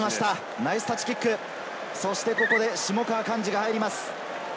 ナイスタッチキック、ここで下川甲嗣が入ります。